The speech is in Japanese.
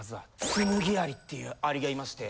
ツムギアリっていうアリがいまして。